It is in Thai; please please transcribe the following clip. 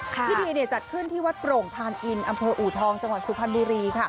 พิพีจัดขึ้นที่วัดโปร่งทานอินออูทองจงศุภัณฑ์ดุรี